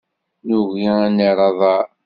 Nugi ad nerr aḍar.